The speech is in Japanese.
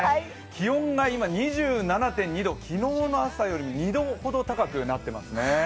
気温が今２７．２度、昨日の朝より２度ほど高くなっていますね。